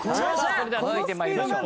それでは続いて参りましょう。